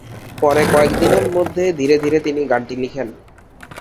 পরে কয়েকদিনের মধ্যে ধীরে ধীরে তিনি গানটি লিখেন।